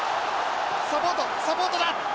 サポートサポートだ！